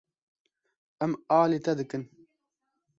Em alî te dikin.